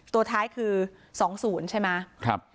ตัวท้ายคือ๒๐ใช่ไหม